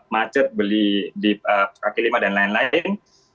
macet beli di pekak kilima dan lain lain